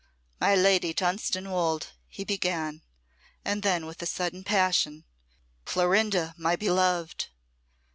"My Lady Dunstanwolde," he began; and then with a sudden passion, "Clorinda, my beloved!"